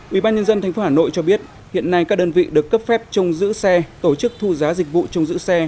ubnd tp hcm cho biết hiện nay các đơn vị được cấp phép trông giữ xe tổ chức thu giá dịch vụ trông giữ xe